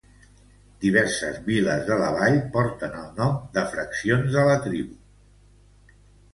Diverses viles de la vall porten el nom de fraccions de la tribu.